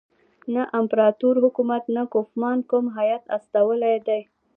نه امپراطور حکومت نه کوفمان کوم هیات استولی دی.